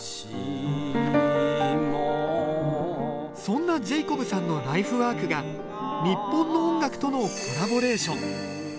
そんなジェイコブさんのライフワークが日本の音楽とのコラボレーション。